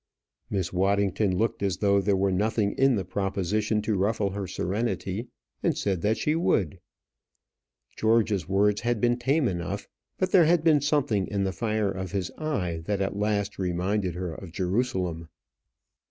Miss Waddington looked as though there were nothing in the proposition to ruffle her serenity, and said that she would. George's words had been tame enough, but there had been something in the fire of his eye that at last reminded her of Jerusalem.